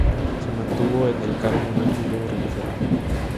Se mantuvo en el cargo un año y luego regresó a Lima.